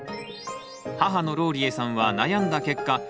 母のローリエさんは悩んだ結果